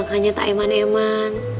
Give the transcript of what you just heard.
makanya tak eman eman